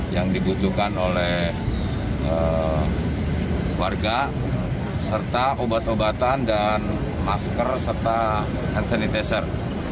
yang dibutuhkan oleh warga serta obat obatan dan masker serta hand sanitizer